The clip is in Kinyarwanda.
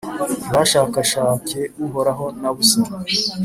ntibashakashake Uhoraho na busa